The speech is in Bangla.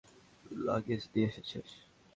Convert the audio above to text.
লাগেজ নিয়ে এসেছেন?